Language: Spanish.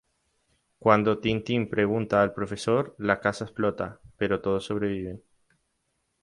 Cuando Tintin pregunta al profesor, la casa explota, pero todos sobreviven.